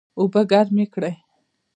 اوبه ګرمې کړئ